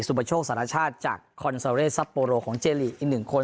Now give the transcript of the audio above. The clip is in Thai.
สุบชกสาธารณชาติจากซัปโปรโลของเจลีอีกหนึ่งคน